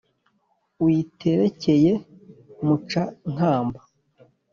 uyiterekeye muca-nkamba